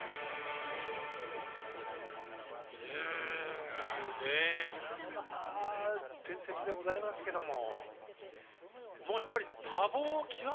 うんというねこれもまた伝説でございますけども。